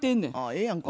ええやんか。